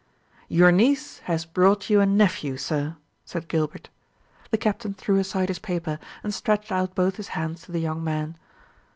"Your niece has brought you a nephew, sir," said Gilbert. The Captain threw aside his paper, and stretched out both his hands to the young man.